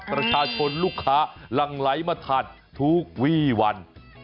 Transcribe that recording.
ประชาชนลูกค้าหลั่งไหลมาทานทุกวี่วัน